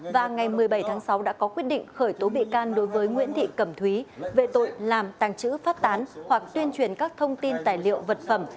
và ngày một mươi bảy tháng sáu đã có quyết định khởi tố bị can đối với nguyễn thị cẩm thúy về tội làm tàng trữ phát tán hoặc tuyên truyền các thông tin tài liệu vật phẩm